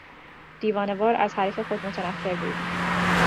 دیوانهوار از حریف خود متنفر بود.